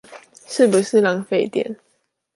是不是浪費電